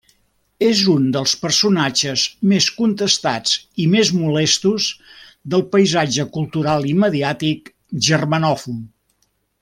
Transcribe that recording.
És un dels personatges més contestats i més molestos del paisatge cultural i mediàtic germanòfon.